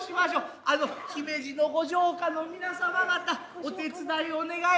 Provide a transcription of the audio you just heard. あの姫路の御城下の皆様方お手伝いを願えますか。